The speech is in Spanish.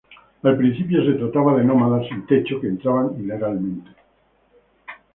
Al principio se trataba de nómadas sin techo que entraban ilegalmente.